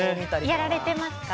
やられていますか？